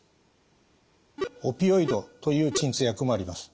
オピオイドという鎮痛薬もあります。